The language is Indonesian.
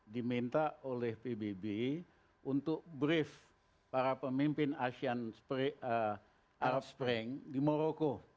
diminta oleh pbb untuk brief para pemimpin arab spring di moroko